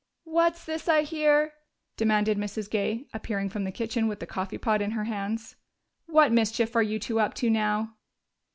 "What's this I hear?" demanded Mrs. Gay, appearing from the kitchen with the coffee pot in her hands. "What mischief are you two up to now?"